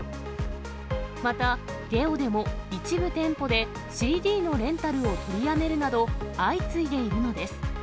また、ＧＥＯでも一部店舗でＣＤのレンタルを取りやめるなど、相次いでいるのです。